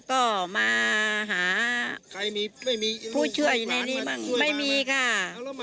ก็มาหาใครมีไม่มีผู้ช่วยในนี้บ้างไม่มีค่ะแล้วมายังไงอ่ะ